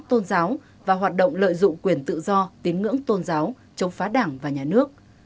tôn giáo và hoạt động lợi dụng quyền tự do tín ngưỡng tôn giáo chống phá đảng và nhà nước